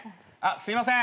すいません